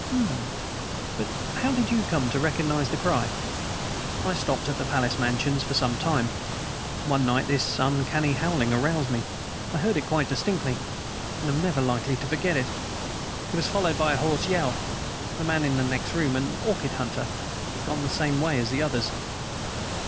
"But how did you come to recognize the cry?" "I stopped at the Palace Mansions for some time; and one night this uncanny howling aroused me. I heard it quite distinctly, and am never likely to forget it. It was followed by a hoarse yell. The man in the next room, an orchid hunter, had gone the same way as the others!"